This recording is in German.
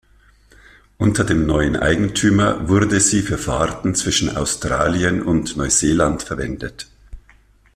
Unter dem neuen Eigentümer wurde sie für Fahrten zwischen Australien und Neuseeland verwendet.